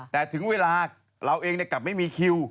แต่ถึงเวลาเราเองกลับไม่มีคิว